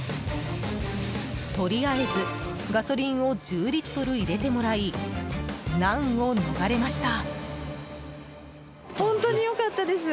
とりあえず、ガソリンを１０リットル入れてもらい難を逃れました。